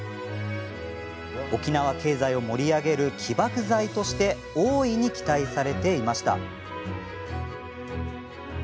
沖縄経済を盛り上げる起爆剤として大いに期待されていました。